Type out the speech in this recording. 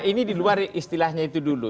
ini di luar istilahnya itu dulu